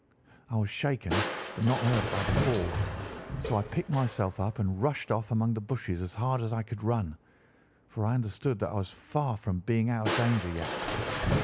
"I was shaken but not hurt by the fall; so I picked myself up and rushed off among the bushes as hard as I could run, for I understood that I was far from being out of danger yet.